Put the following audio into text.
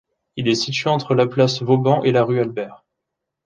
Il est situé entre la place Vauban et la Rue Albert-.